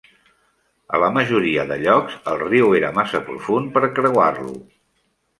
A la majoria de llocs, el riu era massa profund per creuar-lo.